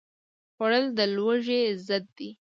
خوړل د لوږې ضد دی